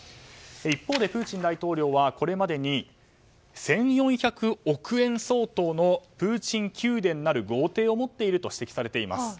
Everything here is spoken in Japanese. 一方でプーチン大統領はこれまでに１４００億円相当のプーチン宮殿なる豪邸を持っていると指摘されています。